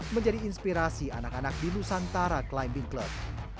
menjadi inspirasi anak anak di nusantara climbing club